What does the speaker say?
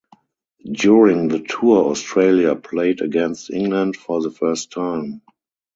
During the tour Australia played against England for the first time.